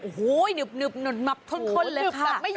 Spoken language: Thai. โอ้โหหนึบหนึบขนเค้า